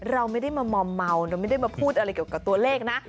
เราไม่ได้มามอมเมาเราไม่ได้มาพูดอะไรเกี่ยวกับตัวเลขนะ